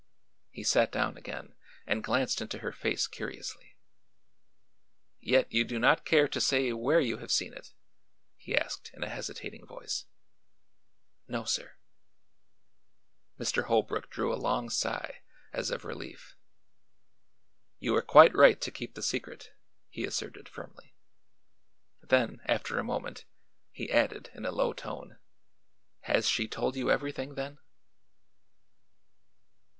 He sat down again and glanced into her face curiously. "Yet you do not care to say where you have seen it?" he asked in a hesitating voice. "No, sir." Mr. Holbrook drew a long sigh, as of relief. "You are quite right to keep the secret," he asserted firmly. Then, after a moment, he added in a low tone: "Has she told you everything, then?"